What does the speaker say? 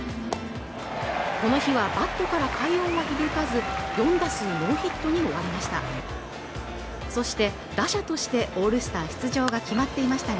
この日はバットから快音は響かず４打数ノーヒットに終わりました